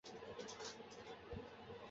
基米利欧人口变化图示